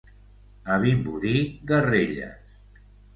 A Vimbodí, garrelles.